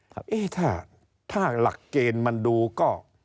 เอ๊ะถ้าหลักเกณฑ์มันดูก็